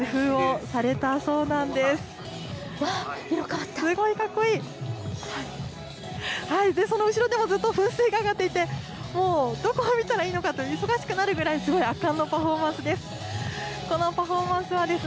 はい、で、その後ろからずっと噴水が上がっていて、もうどこを見たらいいのかと、忙しくなるぐらい圧巻のパフォーマンスです。